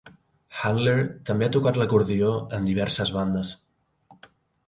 Handler també ha tocat l'acordió en diverses bandes.